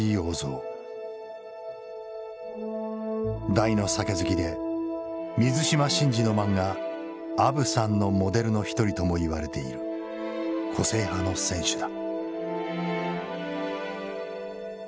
大の酒好きで水島新司の漫画「あぶさん」のモデルの一人とも言われている個性派の選手だ。